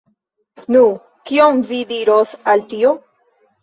Nu, kion vi diros al tio?